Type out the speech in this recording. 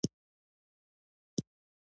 خپل غږ بېرته خپلول ازادي ده.